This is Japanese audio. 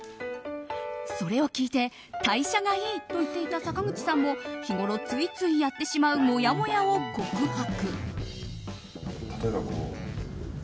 それを聞いて代謝がいいと言っていた坂口さんも日ごろついついやってしまうもやもやを告白。